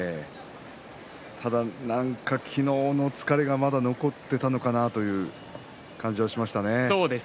ただ、なんか昨日の疲れがまだ残っていたのかなという感じがしましたね。